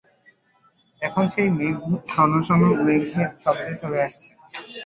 এখন সেই মেঘ স্বন স্বন শব্দে চলে আসছে।